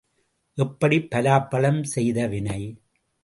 எப்படி பலாப்பழம் செய்த வினை.